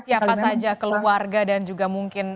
siapa saja keluarga dan juga mungkin